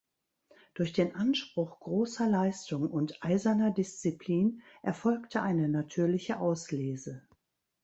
Durch den Anspruch großer Leistung und eiserner Disziplin erfolgte eine natürliche Auslese.